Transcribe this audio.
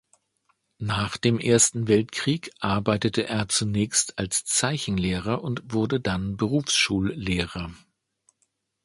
Nach dem Ersten Weltkrieg arbeitete er zunächst als Zeichenlehrer und wurde dann Berufsschullehrer.